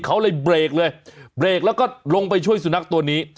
เขาเลยเบรกเลยเบรกแล้วก็ลงไปช่วยสุนัขตัวนี้